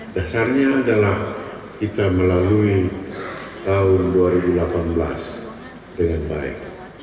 dasarnya adalah kita melalui tahun dua ribu delapan belas dengan baik